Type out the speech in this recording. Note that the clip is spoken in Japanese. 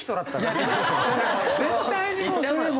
絶対にもうそれ。